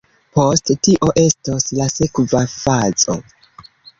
Post tio estos la sekva fazo.